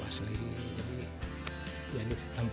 missara ingin membangun disini tapi siat tempo